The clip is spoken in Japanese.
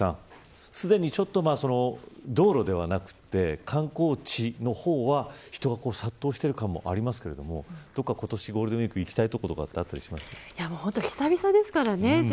でも唐木さん、すでにちょっと道路ではなくて観光地の方は人が殺到している感もありますけれどどこか今年、ゴールデンウイーク行きたい所、ありますか。